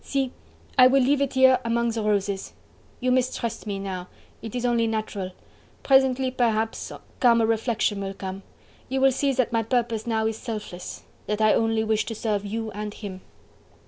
"See! I will leave it here among the roses!... You mistrust me now... it is only natural... presently, perhaps, calmer reflection will come... you will see that my purpose now is selfless... that I only wish to serve you and him."